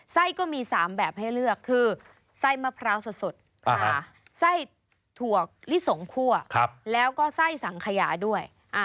ก็มี๓แบบให้เลือกคือไส้มะพร้าวสดไส้ถั่วลิสงคั่วแล้วก็ไส้สังขยาด้วย